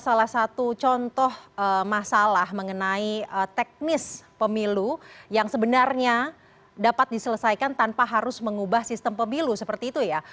salah satu contoh masalah mengenai teknis pemilu yang sebenarnya dapat diselesaikan tanpa harus mengubah sistem pemilu seperti itu ya